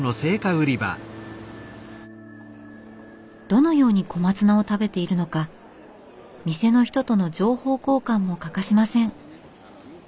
どのように小松菜を食べているのか店の人との情報交換も欠かしません。